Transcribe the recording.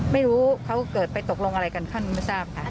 ไม่รู้เขาเกิดไปตกลงอะไรกันขั้นไม่ทราบค่ะ